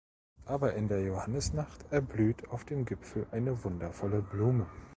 Aber in der Johannisnacht erblüht auf dem Gipfel eine wundervolle Blume.